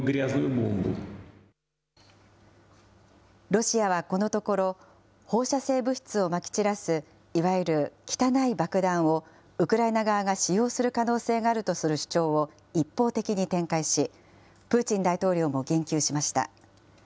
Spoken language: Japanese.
ロシアはこのところ、放射性物質をまき散らす、いわゆる汚い爆弾をウクライナ側が使用する可能性があるとする主張を一方的に展開し、プーチン大統領も言及しました。